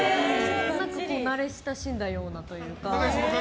慣れ親しんだようなというか。